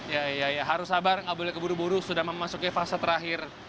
ya iya ya harus sabar nggak boleh keburu buru sudah memasuki fase terakhir